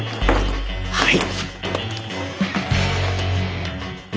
はい。